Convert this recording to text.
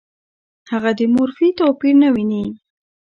هغه د مورفي توپیر نه ویني.